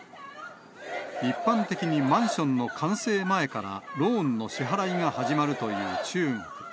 一般的にマンションの完成前からローンの支払いが始まるという中国。